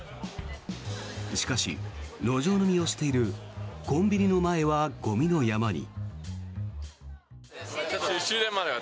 しかし、路上飲みをしているコンビニの前はゴミの山に。